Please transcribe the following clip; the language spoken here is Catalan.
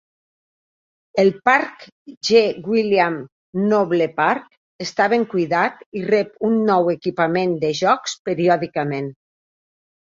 El parc G. William Noble Park està ben cuidat i rep nou equipament de jocs periòdicament.